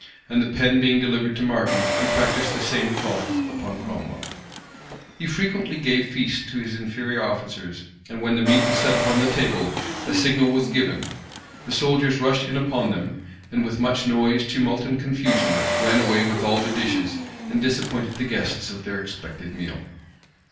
And the pen being delivered to Martin, he practised the same frolic upon Cromwell.[] * Whitlocke, p. 647. Bates. Trial of the Regicides. He frequently gave feasts to his inferior officers; and when the meat was set upon the table, a signal was given; the soldiers rushed in upon, them; and with much noise, tumult, and confusion, ran away with all the dishes, and disappointed the guests of their expected meal.